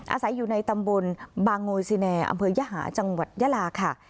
อาศัยอยู่ในตำบลบางโงยซิแนอำเภอยหาจังหวัดยาลาค่ะ